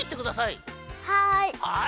はい。